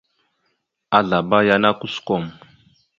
Azlaba yana kusəkom.